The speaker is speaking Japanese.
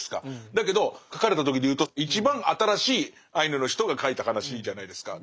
だけど書かれた時でいうと一番新しいアイヌの人が書いた話じゃないですか。